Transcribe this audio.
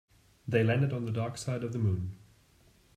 They landed on the dark side of the moon.